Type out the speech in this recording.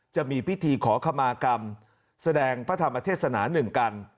จะมีพิธีขอขมากรรมแสดงพระธรรมเทศนาหนึ่งกัน